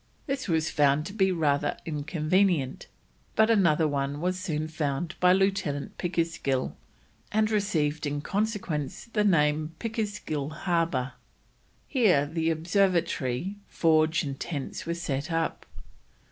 This was found to be rather inconvenient, but another one was soon found by Lieutenant Pickersgill, and received in consequence the name Pickersgill Harbour. Here the observatory, forge, and tents were set up.